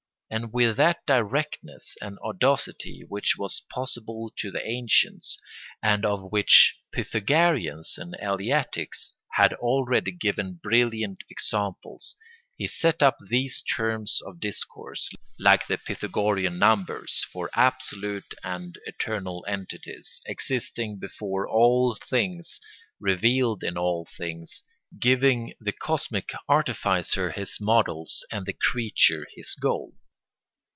And with that directness and audacity which was possible to the ancients, and of which Pythagoreans and Eleatics had already given brilliant examples, he set up these terms of discourse, like the Pythagorean numbers, for absolute and eternal entities, existing before all things, revealed in all things, giving the cosmic artificer his models and the creature his goal.